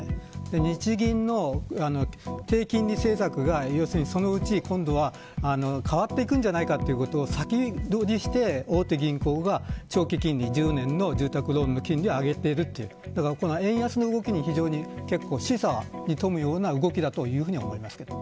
日銀の低金利政策がそのうち今度は変わっていくんじゃないかということを先取りして大手銀行が長期金利１０年の住宅ローンの金利を上げているという円安の動きに非常に示唆に富むような動きだと思います。